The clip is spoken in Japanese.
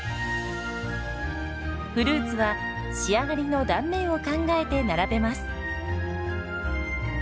フルーツは仕上がりの断面を考えて並べます。